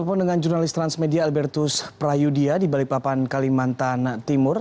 telepon dengan jurnalis transmedia albertus prayudya di balikpapan kalimantan timur